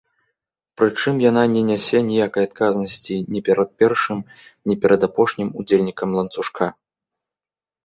Прычым яна не нясе ніякай адказнасці ні перад першым, ні перад апошнім удзельнікам ланцужка.